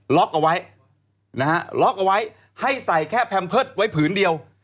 ล็อกเอาไว้นะฮะล็อกเอาไว้ให้ใส่แค่แพมเพิร์ตไว้ผืนเดียว